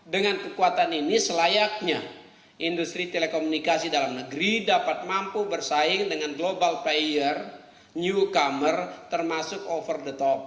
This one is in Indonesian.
dengan kekuatan ini selayaknya industri telekomunikasi dalam negeri dapat mampu bersaing dengan global player newcomer termasuk over the top